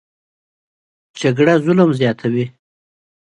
جګړه ظلم زیاتوي